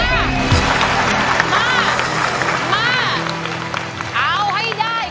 มาเอาให้ด้าย